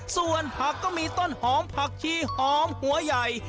ส่วนผักก็มีต้นหอมผักชีหอมหัวใหญ่